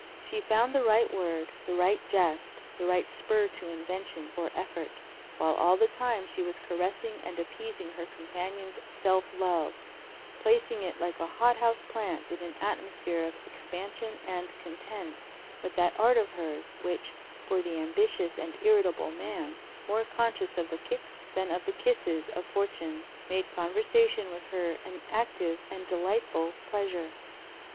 She found the right word, the right jest, the right spur to invention or effort; while all the time she was caressing and appeasing her companion's self love placing it like a hot house plant in an atmosphere of expansion and content with that art of hers, which, for the ambitious and irritable man, more conscious of the kicks than of the kisses of fortune, made conversation with her an active and delightful pleasure.